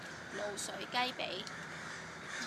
滷水雞脾